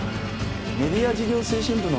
メディア事業推進部の角田さん